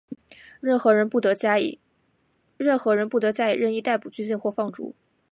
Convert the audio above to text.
任何人不得加以任意逮捕、拘禁或放逐。